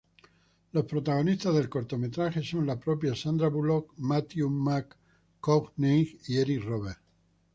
Los protagonistas del cortometraje son la propia Sandra Bullock, Matthew McConaughey y Eric Roberts.